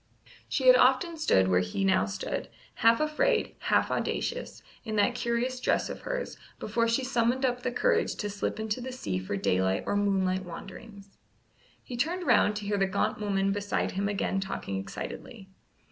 She had often stood where he now stood, half afraid, half audacious, in that curious dress of hers, before she summoned up courage to slip into the sea for daylight or moonlight wanderings. He turned round to hear the gaunt woman beside him again talking excitedly.